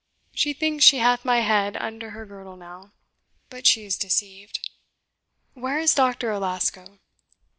She thinks she hath my head under her girdle now, but she is deceived. Where is Doctor Alasco?"